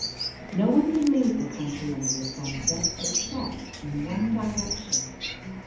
No one can leave the Country Under the Sunset ex cept in one direction.